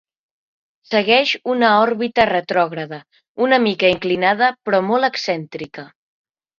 Segueix una òrbita retrògrada, una mica inclinada però molt excèntrica.